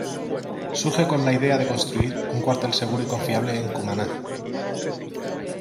Surge con la idea de construir un cuartel seguro y confiable en Cumaná.